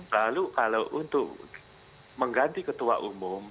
lalu kalau untuk mengganti ketua umum